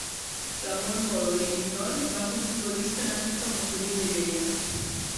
Ramon Módol i Piñol va ser un futbolista nascut a Montoliu de Lleida.